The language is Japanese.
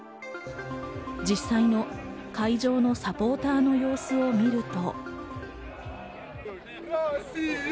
実際の会場のサポーターの様子を見ると。